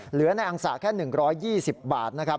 เหลือในอังสะแค่๑๒๐บาทนะครับ